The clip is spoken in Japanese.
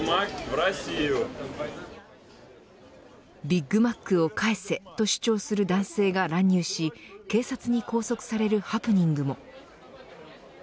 ビッグマックを返せと主張する男性が乱入し警察に拘束されるハプニングも。